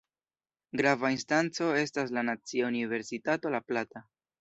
Grava instanco estas la Nacia Universitato La Plata.